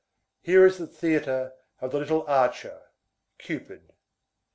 Here is the theatre Of the little archer (Cupid).